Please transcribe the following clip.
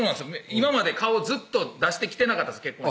今まで顔ずっと出してきてなかったんです